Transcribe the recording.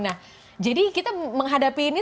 nah jadi kita menghadapi ini